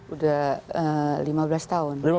udah lima belas tahun